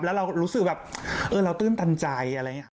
แล้วเรารู้สึกแบบเออเราตื้นตันใจ